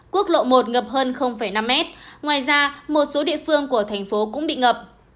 quốc lộ một ngập hơn năm mét ngoài ra một số địa phương của thành phố cũng bị ngập